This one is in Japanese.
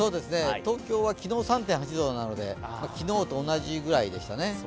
東京は昨日３．８度なので、昨日と同じぐらいですかね。